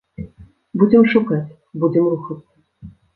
Будзем шукаць, будзем рухацца.